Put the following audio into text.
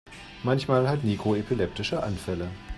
Manchmal hat Niko epileptische Anfälle.